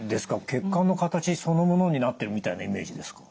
血管の形そのものになってるみたいなイメージですか。